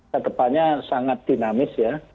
ke depannya sangat dinamis ya